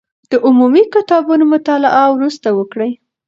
د عمومي کتابونو مطالعه وروسته وکړئ.